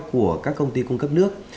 của các công ty cung cấp nước